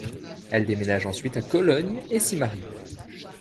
Elle déménage ensuite à Cologne et s'y marie.